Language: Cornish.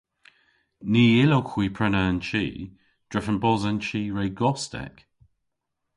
Ny yllowgh hwi prena an chi drefen bos an chi re gostek.